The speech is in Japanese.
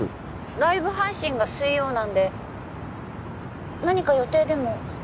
ライブ配信が水曜なんで何か予定でも？